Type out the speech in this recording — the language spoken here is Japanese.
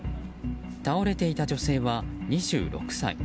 倒れていた女性は２６歳。